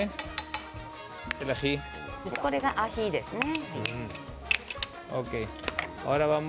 これがアヒですね。